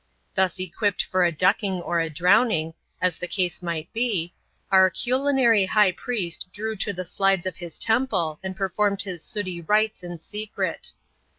Thus equipped for a ducking or a drowning, as the case might be, our culinary high priest drew to the slides of his temple, and performed his sooty rites in secret.